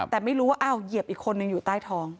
แต่ไม่รู้ว่าอ้าวเหยียบอีกคนนึงอยู่ใต้ท้อง